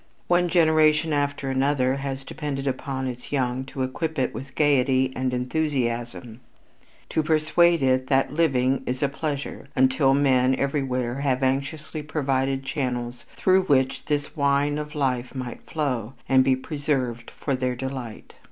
One generation after another has depended upon its young to equip it with gaiety and enthusiasm, to persuade it that living is a pleasure, until men everywhere have anxiously provided channels through which this wine of life might flow, and be preserved for their delight.